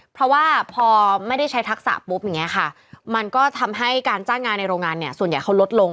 เพราะว่าพอไม่ได้ใช้ทักษะปุ๊บอย่างนี้ค่ะมันก็ทำให้การจ้างงานในโรงงานเนี่ยส่วนใหญ่เขาลดลง